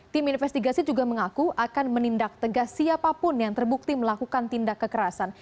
tim investigasi juga mengaku akan menindak tegas siapapun yang terbukti melakukan tindak kekerasan